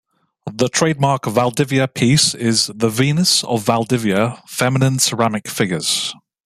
The trademark Valdivia piece is the "Venus" of Valdivia: feminine ceramic figures.